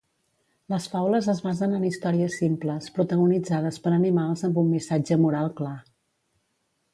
Les faules es basen en històries simples, protagonitzades per animals amb un missatge moral clar.